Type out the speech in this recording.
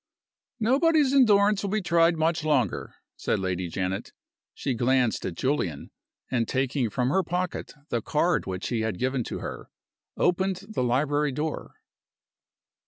"Nobody's endurance will be tried much longer," said Lady Janet. She glanced at Julian, and taking from her pocket the card which he had given to her, opened the library door.